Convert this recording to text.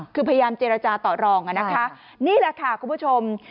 คือพยายามเจรจาต่อรองอ่ะนะคะนี่แหละค่ะคุณผู้ชม